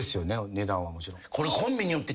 値段はもちろん。